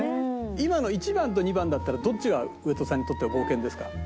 今の１番と２番だったらどっちが上戸さんにとっては冒険ですか？